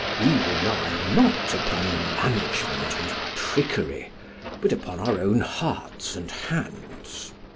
We rely not upon management and trickery, but upon our own hearts and hands.